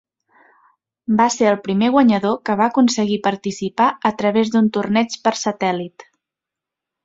Va ser el primer guanyador que va aconseguir participar a través d'un torneig per satèl·lit.